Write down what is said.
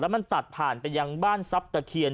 และมันตัดผ่านไปยังบ้านสัปดาห์เขียน